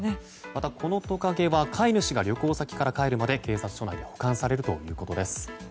またこのトカゲは飼い主が旅行先から帰るまで警察署内で保管されるということです。